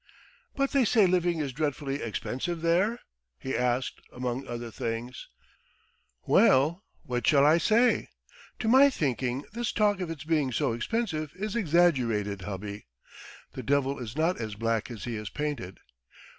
"But they say living is dreadfully expensive there?" he asked, among other things. "Well, what shall I say? To my thinking this talk of its being so expensive is exaggerated, hubby. The devil is not as black as he is painted.